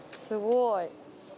すごい。